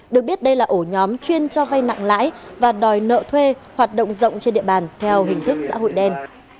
được biết đây là ổ nhóm chuyên cho vay nặng lãi và đòi nợ thuê hoạt động rộng trên địa bàn theo hình thức xã hội đen